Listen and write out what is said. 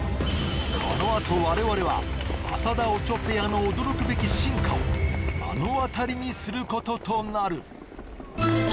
このあと我々は浅田・オチョペアの驚くべき進化を目の当たりにすることとなる